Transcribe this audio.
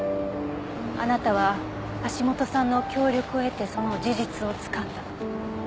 あなたは橋本さんの協力を得てその事実をつかんだ。